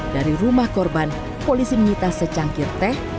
dari rumah korban polisi menyita secangkir teh